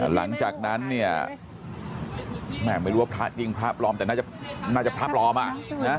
หลังจากนั้นเนี่ยแม่ไม่รู้ว่าพระจริงพระปลอมแต่น่าจะพระปลอมอ่ะนะ